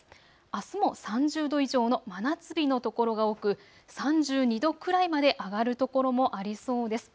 あすも３０度以上の真夏日の所が多く３２度くらいまで上がる所もありそうです。